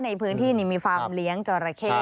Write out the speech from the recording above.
ในพื้นที่มีฟาร์มเลี้ยงจราเข้